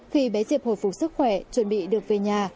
khi bé diệp hồi phục sức khỏe chuẩn bị được về nhà